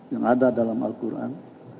yang ada dalam al quran